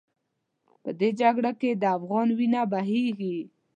په دې جګړه کې د افغان وینه بهېږي.